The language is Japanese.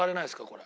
これ。